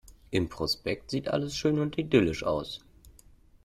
Im Prospekt sieht alles schön und idyllisch aus.